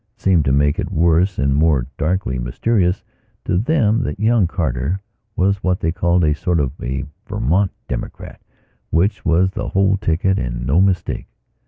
It seemed to make it worse and more darkly mysterious to them that young Carter was what they called a sort of a Vermont Democrat which was the whole ticket and no mistake.